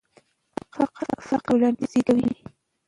فقر ټولنیزې ستونزې زیږوي.